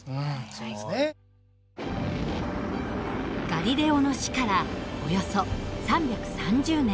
ガリレオの死からおよそ３３０年。